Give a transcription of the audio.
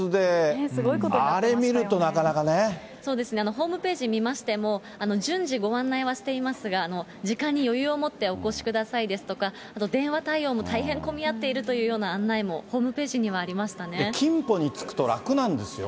ホームページ見ましても、順次ご案内はしていますが、時間に余裕を持ってお越しくださいですとか、あと電話対応も大変混みあっているというような案内もホームペーキンポに着くと楽なんですよ